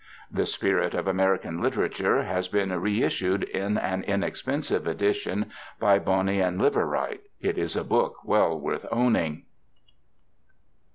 The Spirit of American Literature has been reissued in an inexpensive edition by Boni and Liveright. It is a book well worth owning.